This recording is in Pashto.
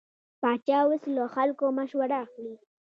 پاچا اوس له خلکو مشوره اخلي.